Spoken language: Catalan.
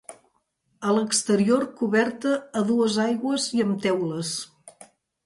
A l'exterior coberta a dues aigües i amb teules.